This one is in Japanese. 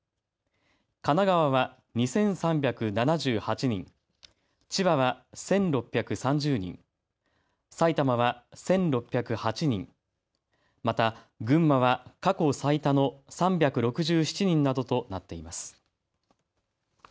神奈川は２３７８人、千葉は１６３０人、埼玉は１６０８人、また群馬は過去最多の３６７人などとなっています。